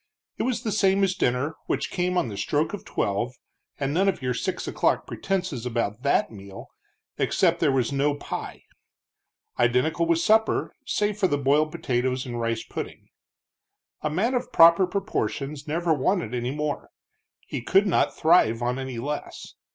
It was the same as dinner, which came on the stroke of twelve, and none of your six o'clock pretenses about that meal, except there was no pie; identical with supper, save for the boiled potatoes and rice pudding. A man of proper proportions never wanted any more; he could not thrive on any less.